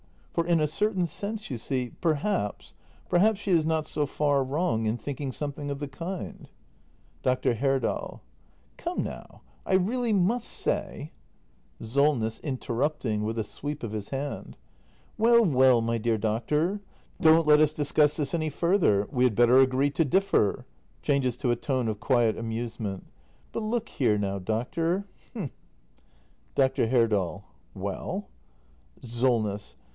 For, in a certain sense, you see, perhaps— perhaps she is not so far wrong in thinking something of the kind. Dr. Herdal. Come now, I really must say SOLNESS. [Interrupting, with a sweep of his hand.] Well, well, my dear doctor — don't let us discuss this any further. We had better agree to differ. [Changes to a tone of quiet amusement.] But look here now, doctor — h'm Dr. Herdal. Well? SOLNESS.